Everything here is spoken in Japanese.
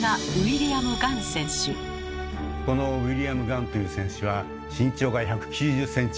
このウィリアム・ガンという選手は身長が１９０ｃｍ近くあった。